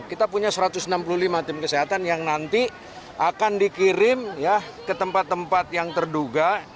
kita punya satu ratus enam puluh lima tim kesehatan yang nanti akan dikirim ke tempat tempat yang terduga